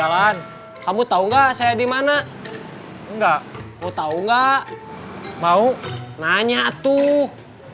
halo kamu dimana jalan kamu tahu enggak saya di mana enggak mau tahu enggak mau nanya tuh